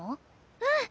うん！